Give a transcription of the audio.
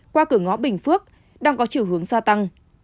qua cửa ngõ bình phước đang có chiều hướng gia tăng